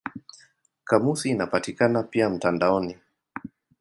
Kamusi inapatikana pia mtandaoni.